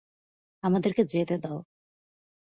আমাদেরকে যেতে দাও!